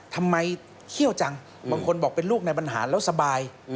เคี่ยวจังบางคนบอกเป็นลูกในบรรหารแล้วสบาย